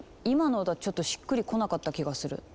今の歌ちょっとしっくりこなかった気がする。